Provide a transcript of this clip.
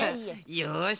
よし！